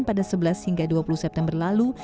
pada sebelas hingga dua puluh september lalu